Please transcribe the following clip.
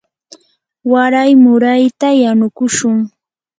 waray murayta yanukushun.